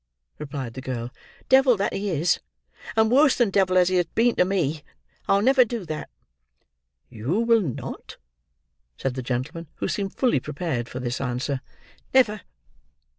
replied the girl. "Devil that he is, and worse than devil as he has been to me, I will never do that." "You will not?" said the gentleman, who seemed fully prepared for this answer. "Never!"